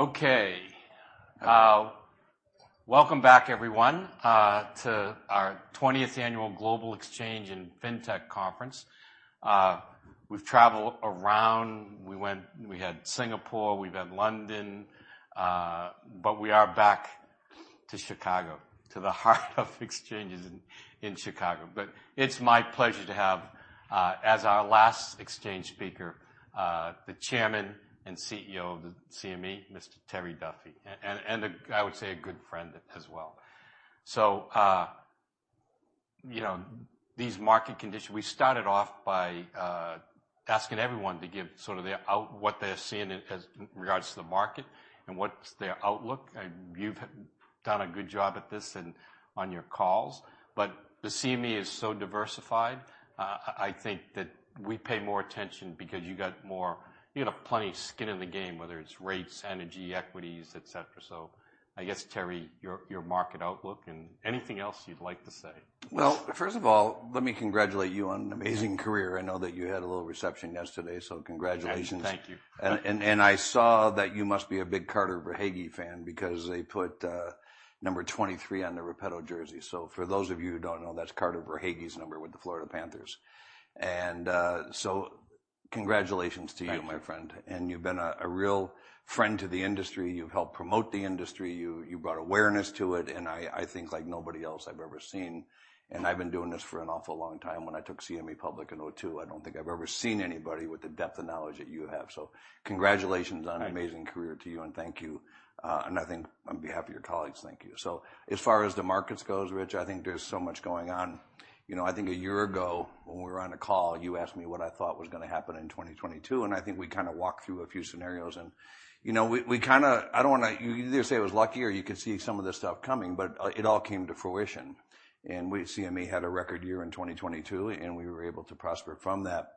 Okay. Welcome back, everyone, to our 20th Annual Global Exchange and Fintech Conference. We've traveled around. We had Singapore, we've had London, we are back to Chicago, to the heart of exchanges in Chicago. It's my pleasure to have as our last exchange speaker, the Chairman and CEO of the CME, Mr. Terry Duffy, and I would say a good friend as well. You know, these market conditions, we started off by asking everyone to give sort of what they're seeing as in regards to the market and what's their outlook. You've done a good job at this and on your calls, the CME is so diversified. I think that we pay more attention because you got more, you got plenty of skin in the game, whether it's rates, energy, equities, et cetera. I guess, Terry, your market outlook and anything else you'd like to say. Well, first of all, let me congratulate you on an amazing career. Yeah. I know that you had a little reception yesterday, so congratulations. Thank you. I saw that you must be a big Carter Verhaeghe fan because they put number 23 on the Repetto jersey. For those of you who don't know, that's Carter Verhaeghe's number with the Florida Panthers. Congratulations to you. Thank you. My friend. You've been a real friend to the industry. You've helped promote the industry. You brought awareness to it, and I think like nobody else I've ever seen, and I've been doing this for an awful long time. When I took CME public in 2002, I don't think I've ever seen anybody with the depth of knowledge that you have. Congratulations on- Thank you. An amazing career to you, and thank you. I think on behalf of your colleagues, thank you. As far as the markets goes, Rich, I think there's so much going on. You know, I think a year ago, when we were on a call, you asked me what I thought was gonna happen in 2022, and I think we kinda walked through a few scenarios. You know, we kinda, you either say I was lucky or you could see some of this stuff coming, but it all came to fruition. We, CME, had a record year in 2022, and we were able to prosper from that.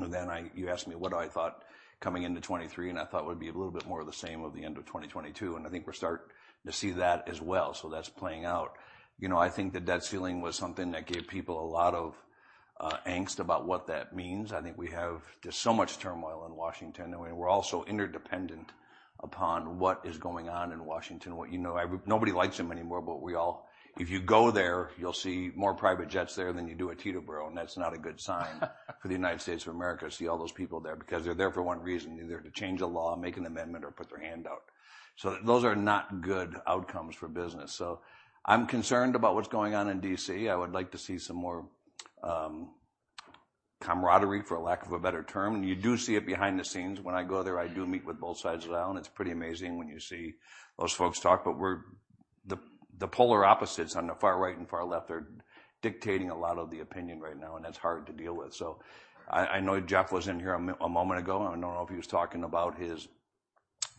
You asked me what I thought coming into 2023, and I thought it would be a little bit more of the same of the end of 2022, and I think we're starting to see that as well. That's playing out. You know, I think the debt ceiling was something that gave people a lot of angst about what that means. I think we have just so much turmoil in Washington, and we're all so interdependent upon what is going on in Washington. What, you know, nobody likes them anymore. If you go there, you'll see more private jets there than you do at Teterboro. That's not a good sign for the United States of America to see all those people there, because they're there for one reason, either to change a law, make an amendment, or put their hand out. Those are not good outcomes for business. I'm concerned about what's going on in D.C. I would like to see some more camaraderie, for lack of a better term. You do see it behind the scenes. When I go there, I do meet with both sides of the aisle, and it's pretty amazing when you see those folks talk. We're the polar opposites on the far right and far left. They're dictating a lot of the opinion right now, and that's hard to deal with. I know Jeff was in here a moment ago. I don't know if he was talking about his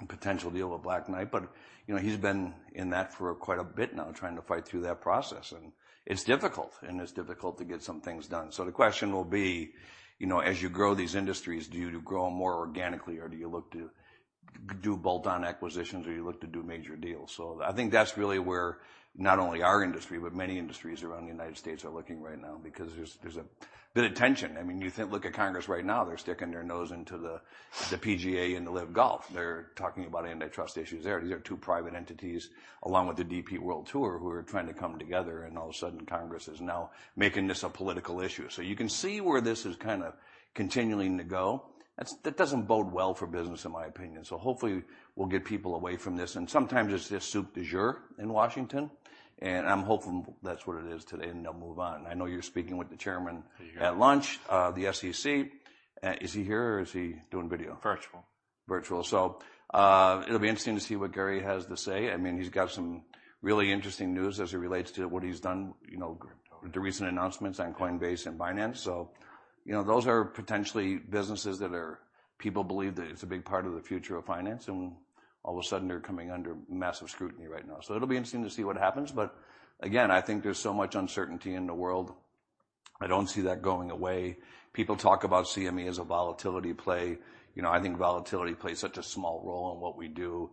potential deal with Black Knight, but, you know, he's been in that for quite a bit now, trying to fight through that process, and it's difficult, and it's difficult to get some things done. The question will be, you know, as you grow these industries, do you grow more organically, or do you look to do bolt-on acquisitions, or you look to do major deals? I think that's really where not only our industry, but many industries around the United States are looking right now because there's a bit of tension. I mean, you think, look at Congress right now, they're sticking their nose into the LPGA and the LIV Golf. They're talking about antitrust issues there. These are two private entities, along with the DP World Tour, who are trying to come together, all of a sudden, Congress is now making this a political issue. You can see where this is kind of continuing to go. That doesn't bode well for business, in my opinion. Hopefully, we'll get people away from this. Sometimes it's just soup du jour in Washington, and I'm hopeful that's what it is today, and they'll move on. I know you're speaking with the chairman. He's here. At lunch, the SEC. Is he here, or is he doing video? Virtual. Virtual. It'll be interesting to see what Gary has to say. I mean, he's got some really interesting news as it relates to what he's done, you know, the recent announcements on Coinbase and Binance. You know, those are potentially businesses that people believe that it's a big part of the future of finance, and all of a sudden, they're coming under massive scrutiny right now. It'll be interesting to see what happens, again, I think there's so much uncertainty in the world. I don't see that going away. People talk about CME as a volatility play. You know, I think volatility plays such a small role in what we do.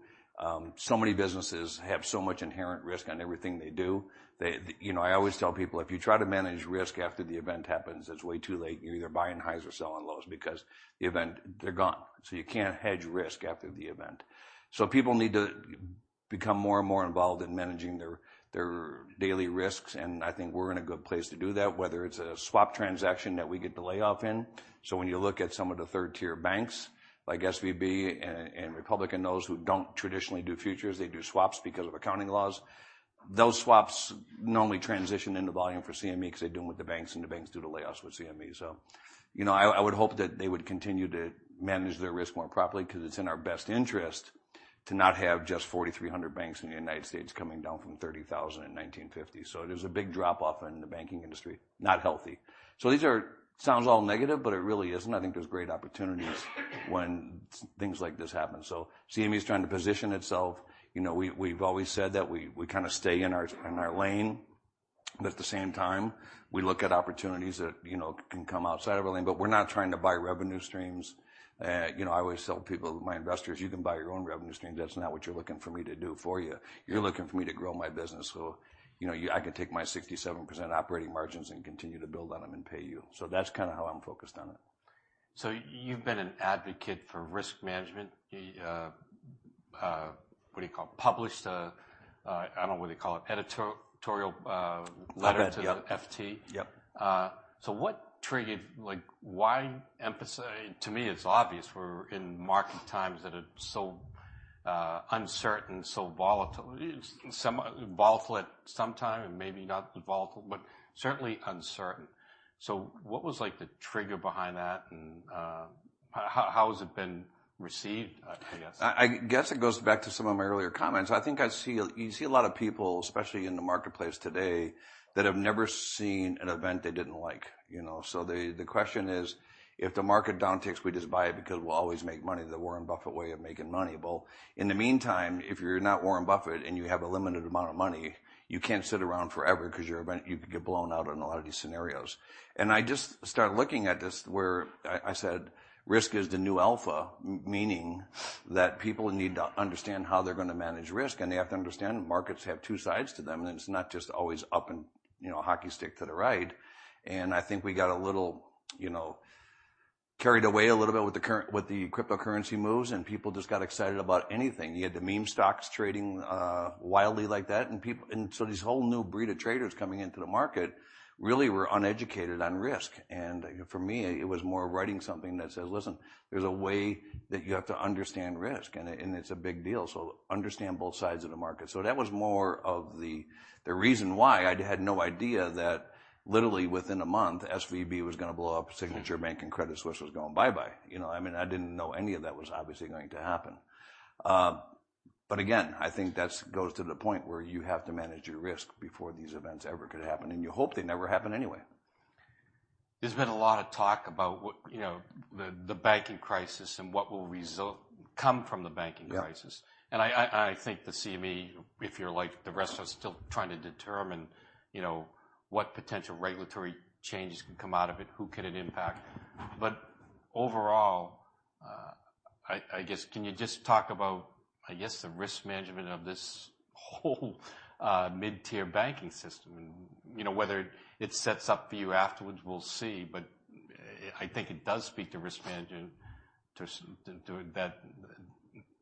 So many businesses have so much inherent risk on everything they do. You know, I always tell people, "If you try to manage risk after the event happens, it's way too late. You're either buying highs or selling lows because the event, they're gone." You can't hedge risk after the event. People need to become more and more involved in managing their daily risks, and I think we're in a good place to do that, whether it's a swap transaction that we get the lay off in. When you look at some of the third-tier banks, like SVB and Republic, and those who don't traditionally do futures, they do swaps because of accounting laws. Those swaps normally transition into volume for CME because they're dealing with the banks, and the banks do the layoffs with CME. You know, I would hope that they would continue to manage their risk more properly because it's in our best interest to not have just 4,300 banks in the United States coming down from 30,000 in 1950. There's a big drop-off in the banking industry, not healthy. These are, sounds all negative, but it really isn't. I think there's great opportunities when things like this happen. CME is trying to position itself. You know, we've always said that we kinda stay in our, in our lane, but at the same time, we look at opportunities that, you know, can come outside of our lane. We're not trying to buy revenue streams. You know, I always tell people, my investors: "You can buy your own revenue stream. That's not what you're looking for me to do for you. You're looking for me to grow my business so, you know, I can take my 67% operating margins and continue to build on them and pay you. That's kinda how I'm focused on it. You've been an advocate for risk management. what do you call, published a, I don't know what they call it, editorial, letter, yep. to the F.T.? Yep. To me, it's obvious we're in market times that are so uncertain, so volatile. Some volatile at some time, and maybe not volatile, but certainly uncertain. What was like the trigger behind that, and how has it been received, I guess? I guess it goes back to some of my earlier comments. I think. You see a lot of people, especially in the marketplace today, that have never seen an event they didn't like, you know? The question is: If the market downticks, we just buy it because we'll always make money, the Warren Buffett way of making money. Well, in the meantime, if you're not Warren Buffett and you have a limited amount of money, you can't sit around forever because you could get blown out on a lot of these scenarios. I just started looking at this where I said, risk is the new alpha, meaning that people need to understand how they're gonna manage risk. They have to understand markets have two sides to them, and it's not just always up and, you know, hockey stick to the right. I think we got a little, you know, carried away a little bit with the cryptocurrency moves, and people just got excited about anything. You had the meme stocks trading wildly like that, these whole new breed of traders coming into the market really were uneducated on risk. For me, it was more writing something that says: Listen, there's a way that you have to understand risk, and it's a big deal. Understand both sides of the market. That was more of the reason why I'd had no idea that literally within a month, SVB was gonna blow up, Signature Bank, and Credit Suisse was going bye-bye. You know, I mean, I didn't know any of that was obviously going to happen. Again, I think that's goes to the point where you have to manage your risk before these events ever could happen, and you hope they never happen anyway. There's been a lot of talk about you know, the banking crisis and what will result, come from the banking crisis. Yep. I think the CME, if you're like the rest of us, still trying to determine, you know, what potential regulatory changes can come out of it, who could it impact? Overall, I guess, can you just talk about, I guess, the risk management of this whole mid-tier banking system? You know, whether it sets up for you afterwards, we'll see. I think it does speak to risk management, that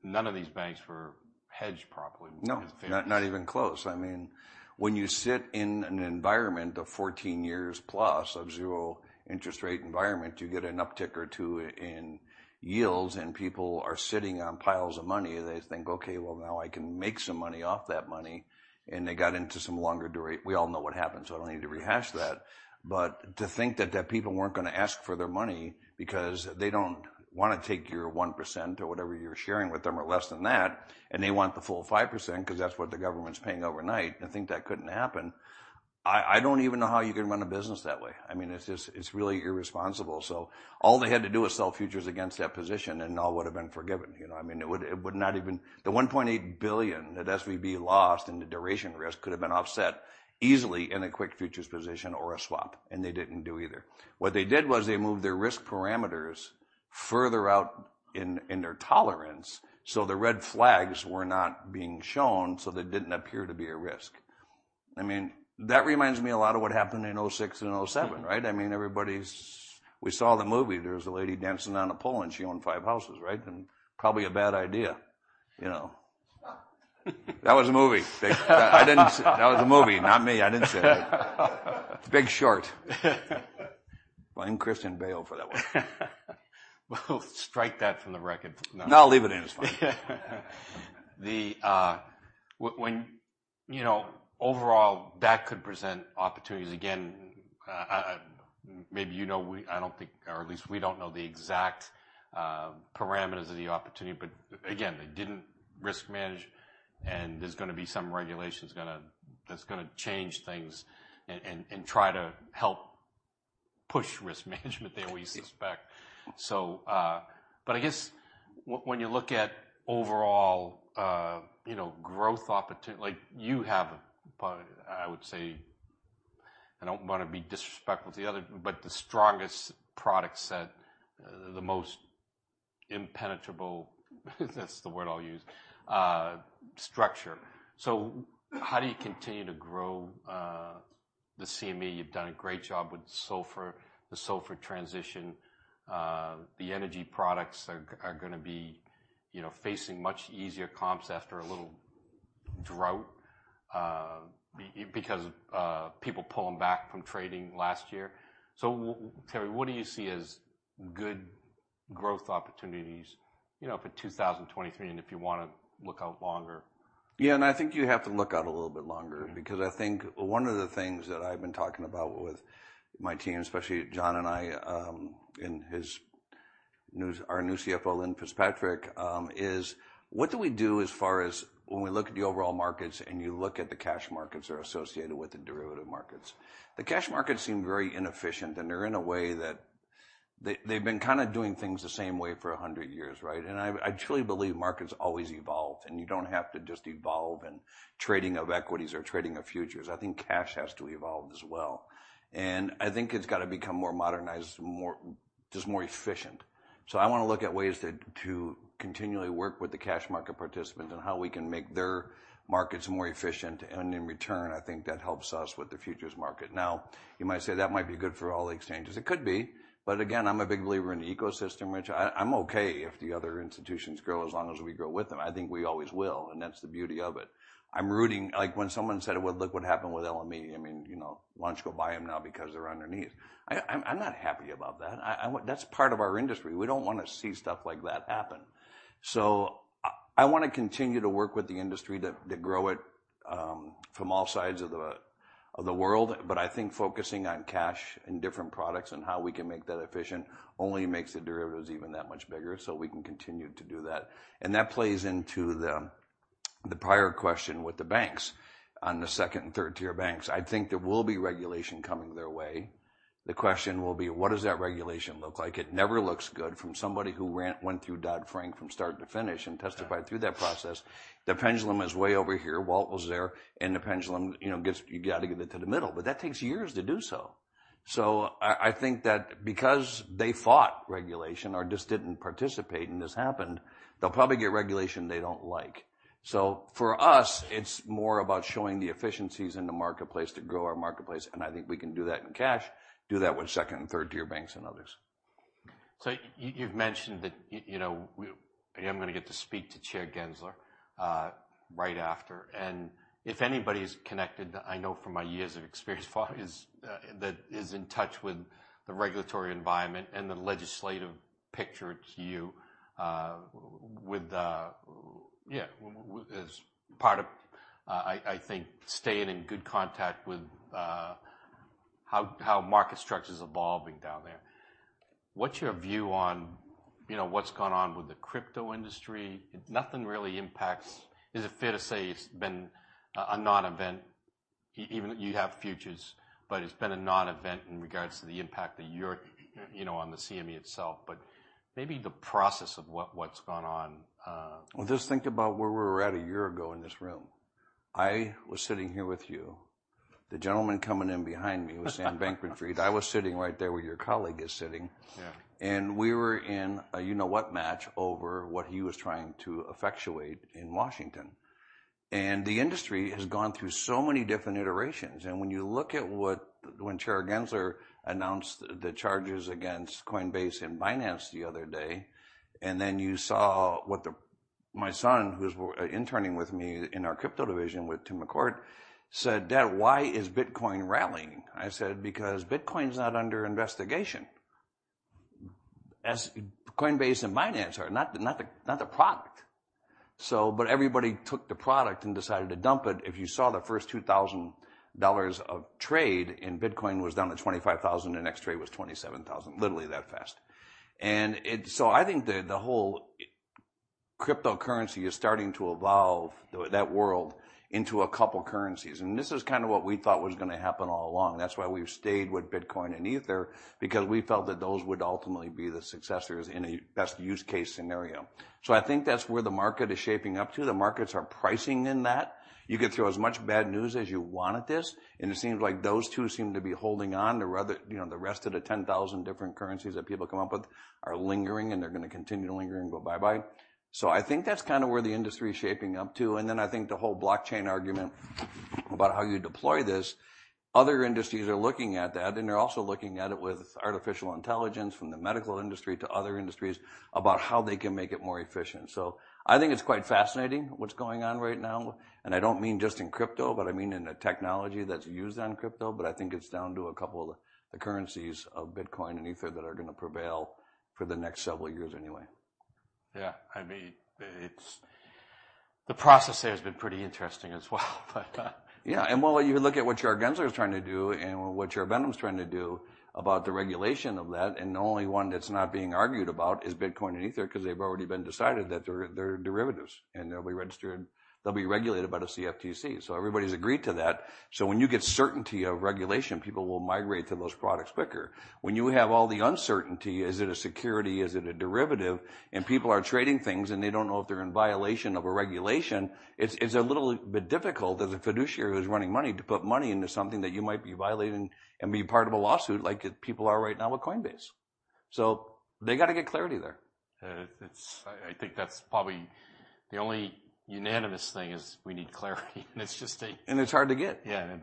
none of these banks were hedged properly. No. Because- Not, not even close. I mean, when you sit in an environment of 14 years plus of zero interest rate environment, you get an uptick or two in yields, and people are sitting on piles of money. They think: "Okay, well, now I can make some money off that money," and they got into some longer duration. We all know what happened, so I don't need to rehash that. To think that people weren't gonna ask for their money because they don't wanna take your 1% or whatever you're sharing with them, or less than that, and they want the full 5%, 'cause that's what the government's paying overnight, and think that couldn't happen, I don't even know how you can run a business that way. I mean, it's just, it's really irresponsible. All they had to do was sell futures against that position, and all would have been forgiven, you know what I mean? It would not even. The $1.8 billion that SVB lost in the duration risk could have been offset easily in a quick futures position or a swap, and they didn't do either. What they did was they moved their risk parameters further out in their tolerance, so the red flags were not being shown, so there didn't appear to be a risk. I mean, that reminds me a lot of what happened in 2006 and 2007, right? I mean, everybody's. We saw the movie. There was a lady dancing on a pole, and she owned five houses, right? Probably a bad idea, you know. That was a movie. I didn't say. That was a movie, not me. I didn't say that. The Big Short. Blame Christian Bale for that one. We'll strike that from the record. No. No, leave it in. It's fine. You know, overall, that could present opportunities. Again, I, maybe you know, I don't think, or at least we don't know the exact parameters of the opportunity, but again, they didn't risk manage, and there's gonna be some regulations that's gonna change things and try to help push risk management, than we suspect. But I guess when you look at overall, you know, growth opportunity, like you have, I would say, I don't wanna be disrespectful to the other, but the strongest product set, the most impenetrable, that's the word I'll use, structure. How do you continue to grow the CME? You've done a great job with sulfur, the sulfur transition. The energy products are gonna be, you know, facing much easier comps after a little drought, because people pulling back from trading last year. Terry, what do you see as good growth opportunities, you know, for 2023, and if you wanna look out longer? Yeah, I think you have to look out a little bit longer. Mm. Because I think one of the things that I've been talking about with my team, especially John and I, and our new CFO, Lynne Fitzpatrick, is, what do we do as far as when we look at the overall markets and you look at the cash markets that are associated with the derivative markets? The cash markets seem very inefficient, and they're in a way that they've been kinda doing things the same way for 100 years, right? I truly believe markets always evolve, and you don't have to just evolve in trading of equities or trading of futures. I think cash has to evolve as well. I think it's gotta become more modernized, more, just more efficient. I wanna look at ways to continually work with the cash market participants on how we can make their markets more efficient, and in return, I think that helps us with the futures market. You might say that might be good for all the exchanges. It could be, but again, I'm a big believer in the ecosystem, which I'm okay if the other institutions grow, as long as we grow with them. I think we always will, and that's the beauty of it. I'm rooting. Like, when someone said, "Well, look what happened with LME," I mean, you know, why don't you go buy them now because they're underneath? I'm not happy about that. I want. That's part of our industry. We don't wanna see stuff like that happen. I wanna continue to work with the industry to grow it from all sides of the world. I think focusing on cash and different products and how we can make that efficient, only makes the derivatives even that much bigger, so we can continue to do that. That plays into the prior question with the banks. On the second and third-tier banks, I think there will be regulation coming their way. The question will be: What does that regulation look like? It never looks good from somebody who went through Dodd-Frank from start to finish and testified through that process. The pendulum is way over here. Walt was there, and the pendulum, you know, gets. You gotta get it to the middle, but that takes years to do so. I think that because they fought regulation or just didn't participate, and this happened, they'll probably get regulation they don't like. For us, it's more about showing the efficiencies in the marketplace to grow our marketplace, and I think we can do that in cash, do that with second- and third-tier banks and others. You, you've mentioned that, you know, I'm gonna get to speak to Chair Gensler right after. If anybody's connected, I know from my years of experience, far is that is in touch with the regulatory environment and the legislative picture to you, with the. Yeah, as part of, I think, staying in good contact with how market structure is evolving down there. What's your view on, you know, what's gone on with the crypto industry? Nothing really impacts. Is it fair to say it's been a non-event? Even you have futures, but it's been a non-event in regards to the impact that you're, you know, on the CME itself, but maybe the process of what's gone on. Well, just think about where we were at a year ago in this room. I was sitting here with you. The gentleman coming in behind me was Sam Bankman-Fried. I was sitting right there where your colleague is sitting. Yeah. We were in a you-know-what match over what he was trying to effectuate in Washington. The industry has gone through so many different iterations, and when you look at when Chair Gensler announced the charges against Coinbase and Binance the other day, then you saw what the. My son, who's interning with me in our crypto division, with Tim McCourt, said: "Dad, why is Bitcoin rallying?" I said: "Because Bitcoin's not under investigation, as Coinbase and Binance are, not the product." Everybody took the product and decided to dump it. If you saw the first $2,000 of trade in Bitcoin was down to $25,000, the next trade was $27,000, literally that fast. I think the whole cryptocurrency is starting to evolve, that world, into a couple currencies. This is kind of what we thought was gonna happen all along. That's why we've stayed with Bitcoin and Ether, because we felt that those would ultimately be the successors in a best use case scenario. I think that's where the market is shaping up to. The markets are pricing in that. You could throw as much bad news as you want at this, and it seems like those two seem to be holding on to rather... You know, the rest of the 10,000 different currencies that people come up with are lingering, and they're gonna continue to linger and go bye-bye. I think that's kind of where the industry is shaping up to, and then I think the whole blockchain argument about how you deploy this, other industries are looking at that, and they're also looking at it with artificial intelligence, from the medical industry to other industries, about how they can make it more efficient. I think it's quite fascinating what's going on right now, and I don't mean just in crypto, but I mean in the technology that's used on crypto. I think it's down to a couple of the currencies of Bitcoin and Ether that are gonna prevail for the next several years anyway. Yeah, I mean, it's, the process there has been pretty interesting as well, but. Yeah, well, you look at what Chair Gensler is trying to do and what Chair Behnam's trying to do about the regulation of that, the only one that's not being argued about is Bitcoin and Ether, because they've already been decided that they're derivatives, and they'll be regulated by the CFTC. Everybody's agreed to that. When you get certainty of regulation, people will migrate to those products quicker. When you have all the uncertainty, is it a security? Is it a derivative? People are trading things, and they don't know if they're in violation of a regulation, it's a little bit difficult, as a fiduciary who's running money, to put money into something that you might be violating and be part of a lawsuit, like people are right now with Coinbase. They gotta get clarity there. It's, I think that's probably the only unanimous thing is we need clarity. it's just. It's hard to get. Yeah,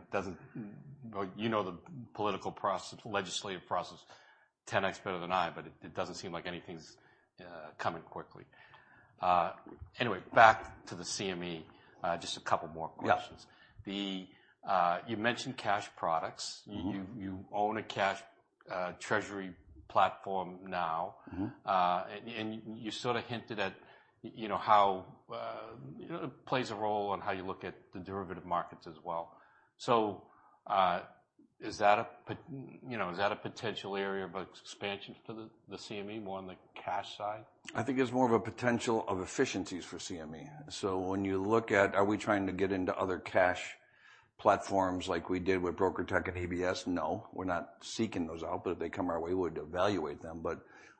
Well, you know the political process, legislative process, 10x better than I, but it doesn't seem like anything's coming quickly. Anyway, back to the CME, just a couple more questions. Yeah. The, you mentioned cash products. Mm-hmm. You own a cash, treasury platform now. Mm-hmm. You sort of hinted at, you know, how, you know, it plays a role in how you look at the derivative markets as well. You know, is that a potential area of expansion for the CME, more on the cash side? I think it's more of a potential of efficiencies for CME. When you look at are we trying to get into other platforms like we did with BrokerTec and EBS? No, we're not seeking those out, but if they come our way, we'd evaluate them.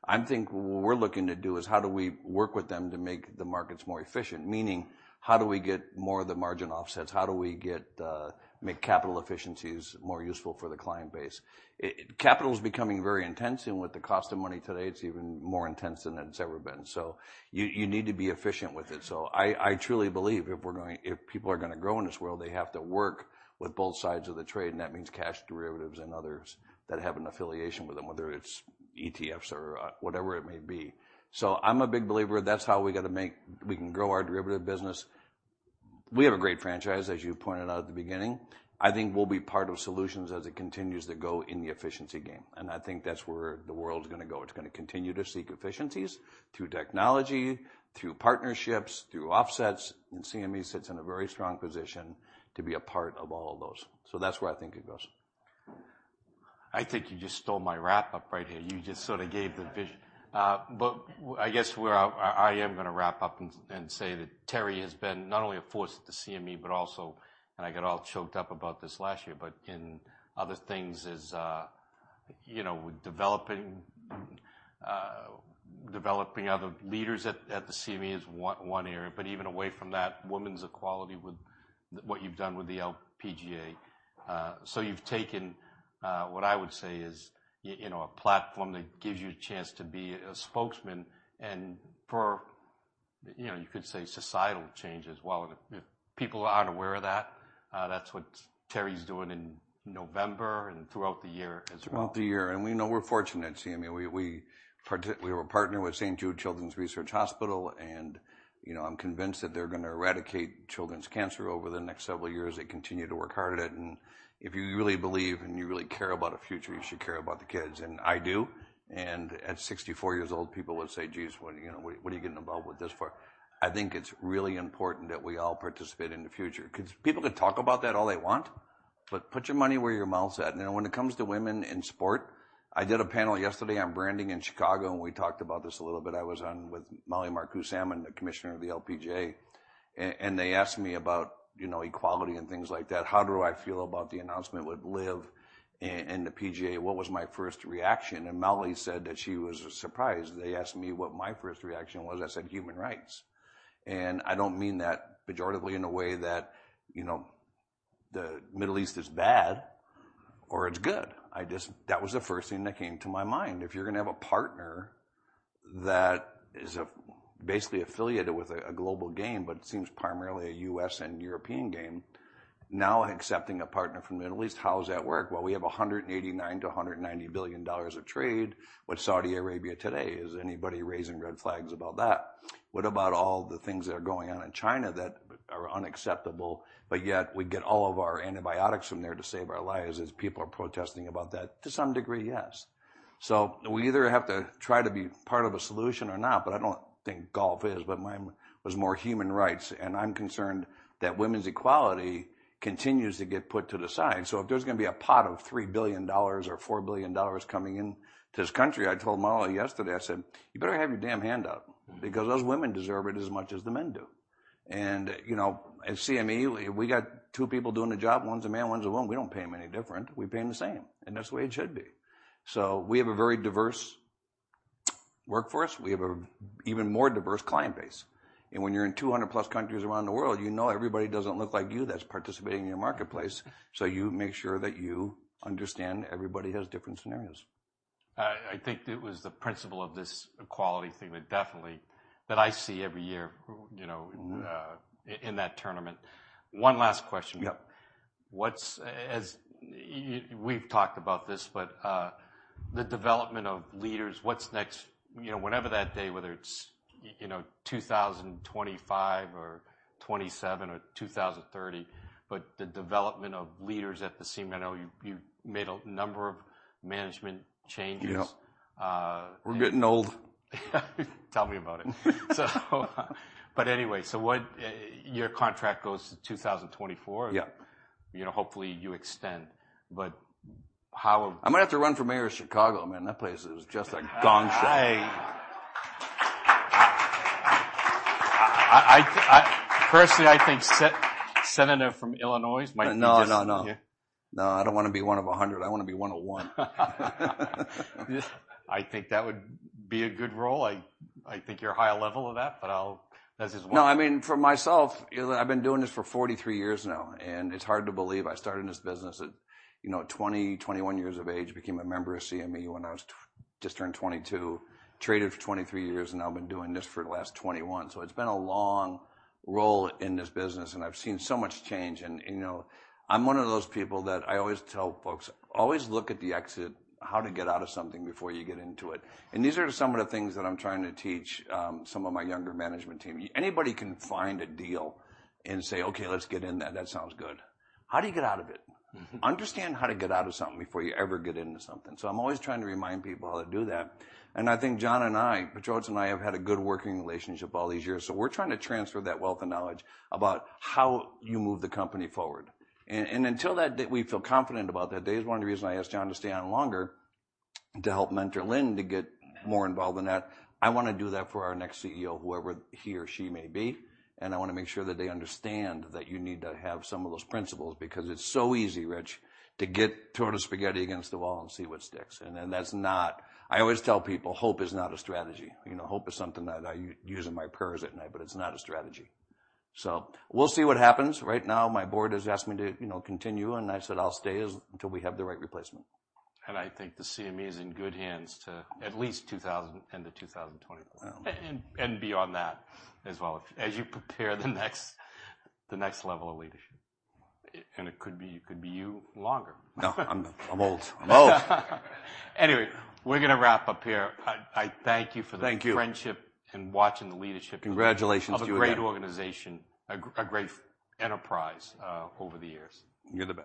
I think what we're looking to do is how do we work with them to make the markets more efficient? Meaning, how do we get more of the margin offsets? How do we get make capital efficiencies more useful for the client base? Capital is becoming very intense, and with the cost of money today, it's even more intense than it's ever been. You, you need to be efficient with it. I truly believe if people are gonna grow in this world, they have to work with both sides of the trade, and that means cash derivatives and others that have an affiliation with them, whether it's ETFs or whatever it may be. I'm a big believer that's how we can grow our derivative business. We have a great franchise, as you pointed out at the beginning. I think we'll be part of solutions as it continues to go in the efficiency game, and I think that's where the world's gonna go. It's gonna continue to seek efficiencies through technology, through partnerships, through offsets, and CME sits in a very strong position to be a part of all of those. That's where I think it goes. I think you just stole my wrap-up right here. You just sort of gave. I guess where I am gonna wrap up and say that Terry has been not only a force at the CME, but also, and I got all choked up about this last year, but in other things is, you know, with developing other leaders at the CME is one area, but even away from that, women's equality with what you've done with the LPGA. You've taken, what I would say is, you know, a platform that gives you a chance to be a spokesman and for, you know, you could say, societal change as well. If people aren't aware of that's what Terry's doing in November and throughout the year as well. Throughout the year, we know we're fortunate at CME. We were partnered with St. Jude Children's Research Hospital, and, you know, I'm convinced that they're gonna eradicate children's cancer over the next several years. They continue to work hard at it, and if you really believe and you really care about a future, you should care about the kids, and I do. At 64 years old, people would say: "Geez, what are you getting involved with this for?" I think it's really important that we all participate in the future. People could talk about that all they want, but put your money where your mouth's at. When it comes to women in sport, I did a panel yesterday on branding in Chicago, and we talked about this a little bit. I was on with Mollie Marcoux Samaan, the commissioner of the LPGA. They asked me about, you know, equality and things like that. How do I feel about the announcement with LIV and the PGA? What was my first reaction? Mollie said that she was surprised. They asked me what my first reaction was. I said, "Human rights." I don't mean that pejoratively in a way that, you know, the Middle East is bad or it's good. I just. That was the first thing that came to my mind. If you're gonna have a partner that is basically affiliated with a global game, but it seems primarily a U.S. and European game, now accepting a partner from the Middle East, how does that work? We have $189 billion-$190 billion of trade with Saudi Arabia today. Is anybody raising red flags about that? What about all the things that are going on in China that are unacceptable, but yet we get all of our antibiotics from there to save our lives as people are protesting about that? To some degree, yes. We either have to try to be part of a solution or not, but I don't think golf is. My was more human rights, and I'm concerned that women's equality continues to get put to the side. If there's gonna be a pot of $3 billion or $4 billion coming into this country, I told Mollie yesterday, I said, "You better have your damn hand out, because those women deserve it as much as the men do." You know, at CME, we got two people doing the job, one's a man, one's a woman. We don't pay them any different. We pay them the same, and that's the way it should be. We have a very diverse workforce. We have a even more diverse client base, and when you're in 200+ countries around the world, you know everybody doesn't look like you that's participating in your marketplace. You make sure that you understand everybody has different scenarios. I think it was the principle of this equality thing that definitely, that I see every year, you know. Mm-hmm In that tournament. One last question. Yep. As we've talked about this, but, the development of leaders, what's next? You know, whenever that day, whether it's, you know, 2025 or 2027 or 2030, but the development of leaders at the CME, I know you made a number of management changes. Yep. Uh- We're getting old. Tell me about it. Your contract goes to 2024? Yep. You know, hopefully, you extend, but how- I'm gonna have to run for mayor of Chicago. Man, that place is just a gong show. I firstly, I think senator from Illinois might be. No, no. No, I don't wanna be one of a 100. I wanna be one of one. I think that would be a good role. I think you're higher level of that, but I'll. No, I mean, for myself, you know, I've been doing this for 43 years now. It's hard to believe I started in this business at, you know, 20, 21 years of age, became a member of CME when I just turned 22, traded for 23 years. Now I've been doing this for the last 21. It's been a long role in this business. I've seen so much change. You know, I'm one of those people that I always tell folks, "Always look at the exit, how to get out of something before you get into it." These are some of the things that I'm trying to teach some of my younger management team. Anybody can find a deal and say: "Okay, let's get in there. That sounds good." How do you get out of it? Mm-hmm. Understand how to get out of something before you ever get into something. I'm always trying to remind people how to do that. I think John and I, Patrick Mollie and I, have had a good working relationship all these years, so we're trying to transfer that wealth of knowledge about how you move the company forward. Until that day, we feel confident about that. That is one of the reasons I asked John to stay on longer, to help mentor Lynn, to get more involved in that. I wanna do that for our next CEO, whoever he or she may be, and I wanna make sure that they understand that you need to have some of those principles, because it's so easy, Rich, to throw the spaghetti against the wall and see what sticks. Then, that's not. I always tell people: "Hope is not a strategy." You know, hope is something that I use in my prayers at night, but it's not a strategy. We'll see what happens. Right now, my board has asked me to, you know, continue, and I said, "I'll stay as... Until we have the right replacement. I think the CME is in good hands to at least End of 2024. Well- Beyond that as well, as you prepare the next level of leadership. It could be you longer. No, I'm old. I'm old! Anyway, we're gonna wrap up here. I thank you for. Thank you.... friendship and watching the leadership- Congratulations to you again.... of a great organization, a great enterprise, over the years. You're the best.